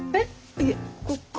いえここ。